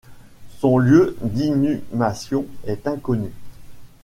Son lieu d’inhumation est inconnu.